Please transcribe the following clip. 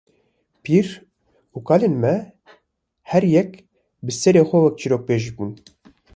pîr û kalên me her yek bi serê xwe wekî çîrokbêj bûn.